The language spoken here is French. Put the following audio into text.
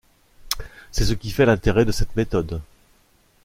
C'est ce qui fait l'intérêt de cette méthode.